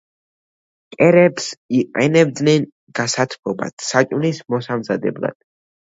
კერებს იყენებდნენ გასათბობად, საჭმლის მოსამზადებლად.